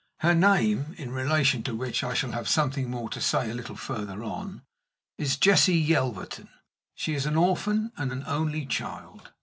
Her name (in relation to which I shall have something more to say a little further on) is Jessie Yelverton. She is an orphan and an only child.